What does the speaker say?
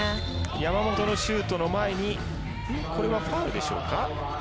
山本のシュートの前にファウルでしょうか。